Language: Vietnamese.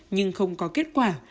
nhưng không có kết quả